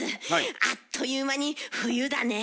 あっという間に冬だねぇ。